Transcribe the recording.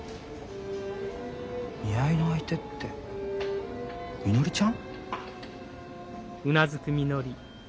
見合いの相手ってみのりちゃん？